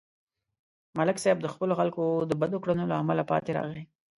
ملک صاحب د خپلو خلکو د بدو کړنو له امله پاتې راغی